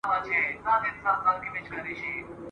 او پر ځای د بلبلکو مرغکیو !.